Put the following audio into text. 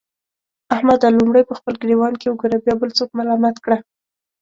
احمده! لومړی په خپل ګرېوان کې وګوره؛ بيا بل څوک ملامت کړه.